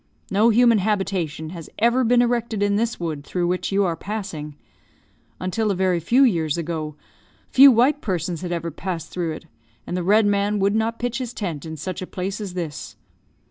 No human habitation has ever been erected in this wood through which you are passing. Until a very few years ago, few white persons had ever passed through it; and the Red Man would not pitch his tent in such a place as this.